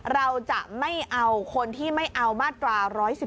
เราจะไม่เอาคนที่ไม่เอามาตรา๑๑๒